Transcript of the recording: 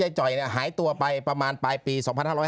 จ่อยหายตัวไปประมาณปลายปี๒๕๕๙